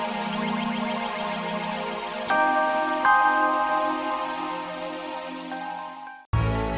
barusan ada vape kot